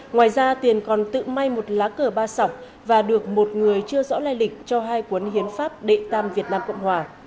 ngoài ra tiền còn tự may một lá cờ ba sọc và được một người chưa rõ lai lịch cho hai cuốn hiến pháp đệ tam việt nam cộng hòa